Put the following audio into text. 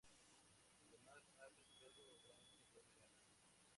Además ha presentado gran cantidad de galas.